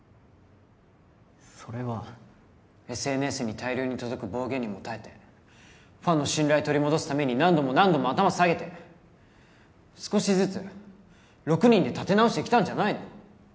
それはＳＮＳに大量に届く暴言にも耐えてファンの信頼取り戻すために何度も何度も頭下げて少しずつ６人で立て直してきたんじゃないの？